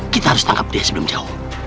kita harus tangkap dia sebelum jauh